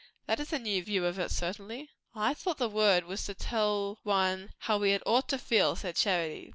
"That is a new view of it, certainly." "I thought the words was to tell one how we had ought to feel!" said Charity.